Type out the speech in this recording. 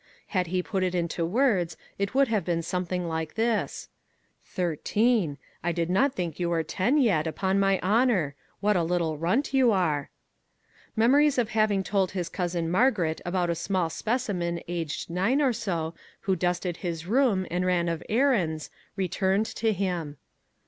Had he put it into words it would have been something like this :" Thir teen ! I did not think you were ten yet, upon my honor. What a little runt you are !" Memories of having told his cousin Margaret about a small specimen aged nine or so, who dusted his room, and ran of errands, returned to him.